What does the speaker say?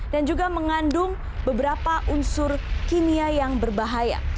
dan juga mengandung beberapa unsur kimia yang berbahaya